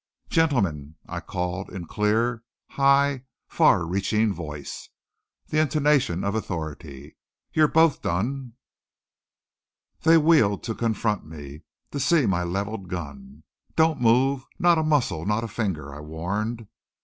"Gentlemen," I called in clear, high, far reaching voice, the intonation of authority, "you're both done!" They wheeled to confront me, to see my leveled gun. "Don't move! Not a muscle! Not a finger!" I warned.